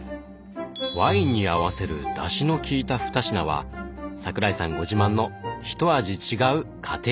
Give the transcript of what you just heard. ワインに合わせるだしのきいた２品は桜井さんご自慢の「ひと味違う家庭料理」。